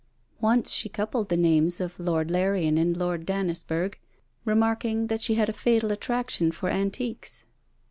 Once she coupled the names of Lord Larrian and Lord Dannisburgh, remarking that she had a fatal attraction for antiques.